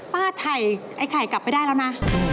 ถ่ายไอ้ไข่กลับไปได้แล้วนะ